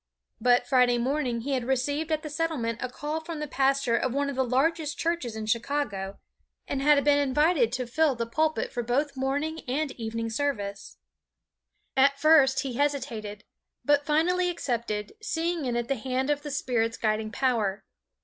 But Friday morning he had received at the Settlement a call from the pastor of one of the largest churches in Chicago, and had been invited to fill the pulpit for both morning and evening service. At first he hesitated, but finally accepted, seeing in it the hand of the Spirit's guiding power.